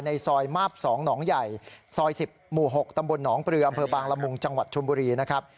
ซอยมาบ๒หนองใหญ่ซอย๑๐หมู่๖ตำบลหนองปลืออำเภอบางละมุงจังหวัดชมบุรีนะครับ